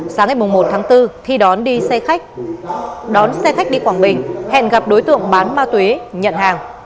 sáng ngày một tháng bốn thi đón đi xe khách đón xe khách đi quảng bình hẹn gặp đối tượng bán ma túy nhận hàng